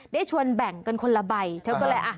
ได้ชวนแบ่งกันคนละใบเธอก็เลยอ่ะ